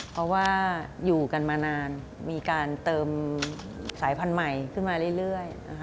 เพราะว่าอยู่กันมานานมีการเติมสายพันธุ์ใหม่ขึ้นมาเรื่อย